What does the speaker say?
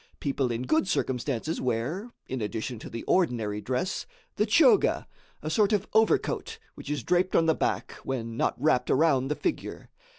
People in good circumstances wear, in addition to the ordinary dress, the "choga," a sort of overcoat which is draped on the back when not wrapped around the figure.